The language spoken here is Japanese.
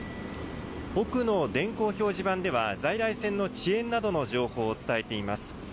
奥の電光表示板では、在来線の遅延などの情報を伝えています。